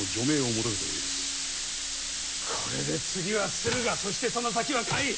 これで次は駿河そしてその先は甲斐！